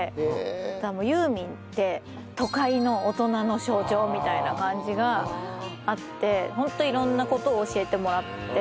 だからもうユーミンって都会の大人の象徴みたいな感じがあってホント色んな事を教えてもらって。